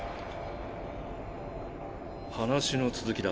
話の続きだ。